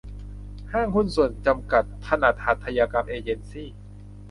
ห้างหุ้นส่วนจำกัด ถนัดหัตถกรรมเอเยนซี